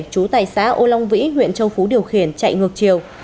chú tại xã âu long vĩ huyện châu phú điều khiển chạy ngược chiều